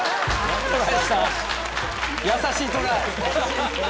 優しいトライ。